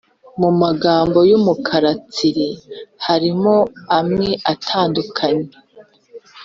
Mu magambo y’umukara tsiri harimo amwe atandukanye